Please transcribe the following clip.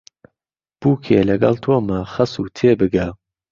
بووکێ لەگەڵ تۆمە خەسوو تێبگە